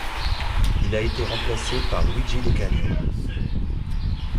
Il a été remplacé par Luigi De Canio.